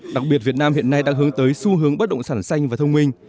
đặc biệt việt nam hiện nay đang hướng tới xu hướng bất động sản xanh và thông minh